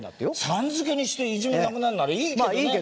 「さん」付けにしていじめなくなるならいいけどね。